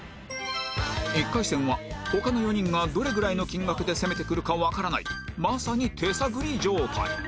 １回戦は他の４人がどれぐらいの金額で攻めてくるかわからないまさに手探り状態